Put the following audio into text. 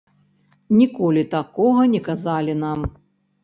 Ніколі такога не казалі нам.